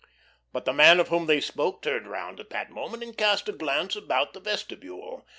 But the man of whom they spoke turned around at the moment and cast a glance about the vestibule.